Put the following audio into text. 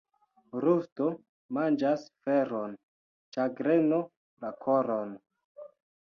Rusto manĝas feron, ĉagreno la koron.